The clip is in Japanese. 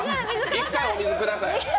一回、お水ください。